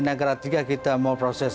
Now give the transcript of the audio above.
negara tiga kita mau proses